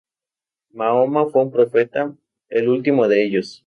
Mahoma fue un profeta, el último de ellos.